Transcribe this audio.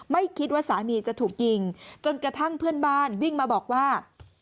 ไม่คิดว่าสามีจะถูกยิงจนกระทั่งเพื่อนบ้านวิ่งมาบอกว่า